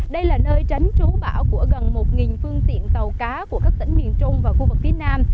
đây là nơi tránh trú bão của gần một phương tiện tàu cá của các tỉnh miền trung và khu vực phía nam